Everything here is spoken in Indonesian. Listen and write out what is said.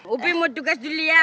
upe mau tugas dulu ya